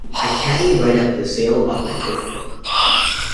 I caddied right up to the sale of my fifth book.